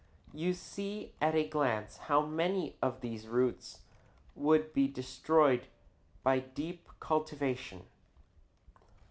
You see at a glance how many of these roots would be destroyed by deep cultivation.